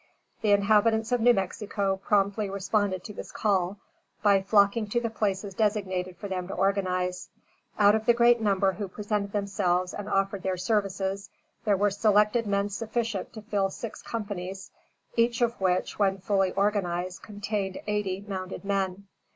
The inhabitants of New Mexico promptly responded to this call, by flocking to the places designated for them to organize. Out of the great number who presented themselves and offered their services, there were selected men sufficient to fill six companies, each of which, when fully organized, contained eighty mounted men.